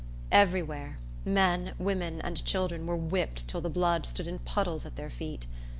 Every where men, women, and children were whipped till the blood stood in puddles at their feet.